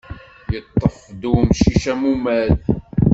Yeṭṭef-d umcic amumad.